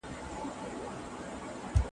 د ډبرو دوه جسمونه به زرین شول